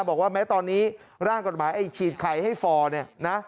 บอกว่าแม้ตอนนี้ร่างกฎหมายไอ้ฉีดไข่ให้ฟอร์เนี่ยนะ